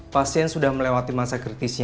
pasien sudah melewati masa kritisi